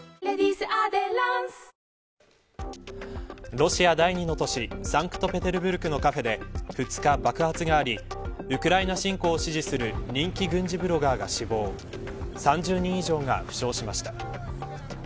ロシア第２の都市サンクトペテルブルクのカフェで２日、爆発がありウクライナ侵攻を支持する人気軍事ブロガーが死亡３０人以上が負傷しました。